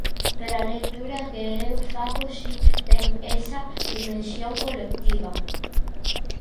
Pero a lectura que eu fago si ten esa dimensión colectiva.